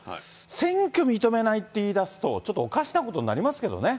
選挙認めないって言い出すと、ちょっとおかしなことになりますけどね。